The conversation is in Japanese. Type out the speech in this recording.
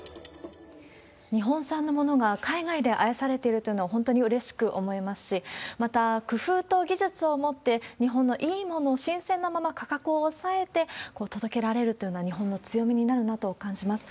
日本産のものが海外で愛されているというのは本当にうれしいと思いますし、また、工夫と技術をもって、日本のいい物、新鮮なまま価格を抑えて、届けられるというのは日本の強みになるなと感じます。